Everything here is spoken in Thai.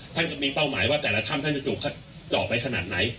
ท่านก็มีเป้าหมายว่าแต่ละถ้ำท่านจะถูกเจาะไปขนาดไหน